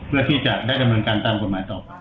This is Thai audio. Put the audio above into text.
เพื่อที่จะได้ดำเนินการตามกฎหมายต่อไป